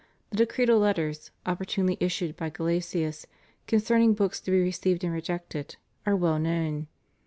The decretal letters, opportunely issued by Gelasius, con cerning books to be received and rejected, are well known.